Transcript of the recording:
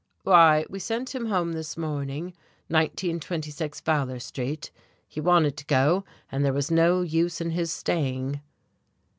"Why, we sent him home this morning. Nineteen twenty six Fowler Street. He wanted to go, and there was no use in his staying."